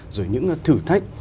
rồi những thử thách